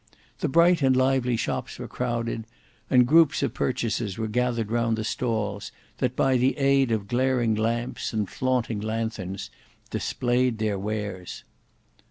The bright and lively shops were crowded; and groups of purchasers were gathered round the stalls, that by the aid of glaring lamps and flaunting lanthorns, displayed their wares.